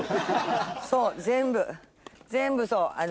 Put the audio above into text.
そう全部全部そう。